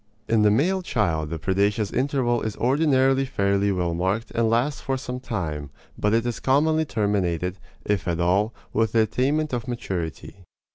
In the male child the predaceous interval is ordinarily fairly well marked and lasts for some time, but it is commonly terminated (if at all) with the attainment of maturity.